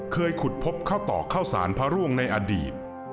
เคยขุดพบข้าวต่อข้าวสารพระร่วงในอดีต